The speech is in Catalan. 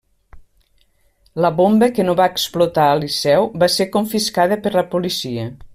La bomba que no va explotar al Liceu va ser confiscada per la policia.